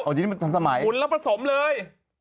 หมุนแล้วประสงค์เลย